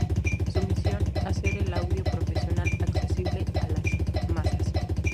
Su misión: hacer el audio profesional accesible a las masas.